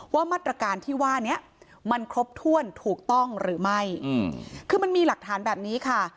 ว่ามาตรการที่ว่านี้มันครบถ้วนถูกต้องหรือไม่คือมันมีหลักฐานแบบนี้ค่ะ